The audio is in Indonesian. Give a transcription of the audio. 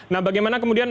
nah bagaimana kemudian